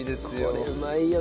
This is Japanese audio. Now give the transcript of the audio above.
これうまいよ。